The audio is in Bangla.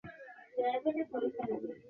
পূজারি সেজে ঠাকুর চুরি করবার মতলব?